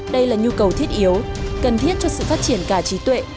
đây là nhu cầu thiết yếu cần thiết cho sự phát triển cả trí tuệ